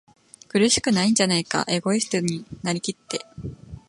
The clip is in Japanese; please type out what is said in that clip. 苦しくないんじゃないか？エゴイストになりきって、